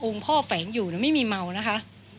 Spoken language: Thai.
องค์พ่อแฝงอยู่แล้วไม่มีเมานะคะ